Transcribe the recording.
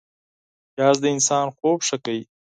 پیاز د انسان خوب ښه کوي